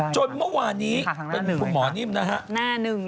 จนเมื่อวานนี้เป็นคุณหมอนิ่มนะฮะ